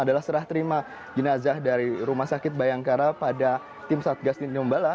adalah serah terima jenazah dari rumah sakit bayangkara pada tim satgas tinombala